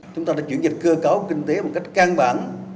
chúng ta đã chuyển dịch cơ cấu kinh tế một cách căn bản